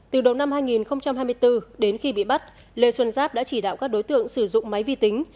từ đầu năm hai nghìn hai mươi bốn đến khi bị bắt lê xuân giáp đã chỉ đạo các đối tượng sử dụng máy vi tính